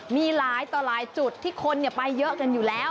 มีหลายต่อหลายจุดที่คนไปเยอะกันอยู่แล้ว